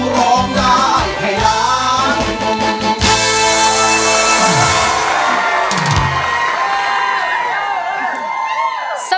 ร้องได้ให้ล้าน